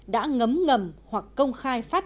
đã ngấm ngầm hoặc công khai phát